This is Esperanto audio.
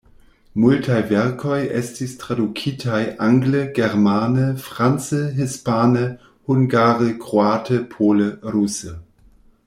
Multaj verkoj estis tradukitaj angle, germane, france, hispane, hungare, kroate, pole, ruse.